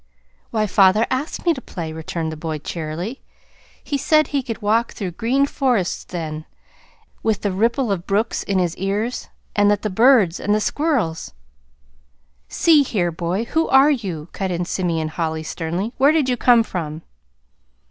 "Why, father asked me to play" returned the boy cheerily. "He said he could walk through green forests then, with the ripple of brooks in his ears, and that the birds and the squirrels " "See here, boy, who are you?" cut in Simeon Holly sternly. "Where did you come from?"